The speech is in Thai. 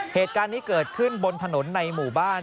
เหตุการณ์นี้เกิดขึ้นบนถนนในหมู่บ้าน